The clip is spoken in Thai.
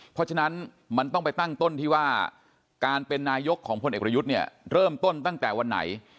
เพราะฉะนั้นมันต้องไปตั้งต้นที่ว่าการเป็นนายกของพลเอกประยุทธ์เนี่ยเริ่มต้นตั้งแต่วันไหน